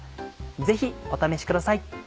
ぜひお試しください。